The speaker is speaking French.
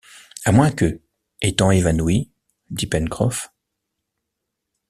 À moins que, étant évanoui... dit Pencroff.